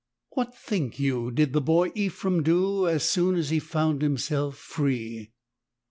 II. What think you did the boy Ephrem do as soon as he found himself free?